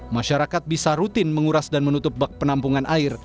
masyarakat bisa rutin menguras dan menutup bak penampungan air